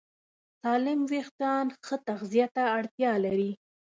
سالم وېښتيان ښه تغذیه ته اړتیا لري.